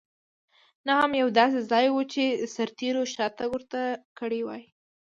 نه هم یو داسې ځای و چې سرتېرو شاتګ ورته کړی وای.